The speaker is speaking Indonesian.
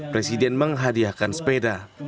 presiden menghadiahkan sepeda